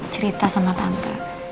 cerita sama tante